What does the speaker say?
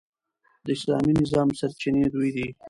د اسلامي نظام سرچینې دوې دي.